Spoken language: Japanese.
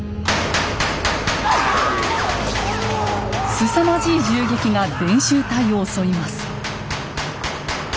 すさまじい銃撃が伝習隊を襲います。